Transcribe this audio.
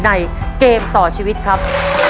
เกมต่อชีวิตครับ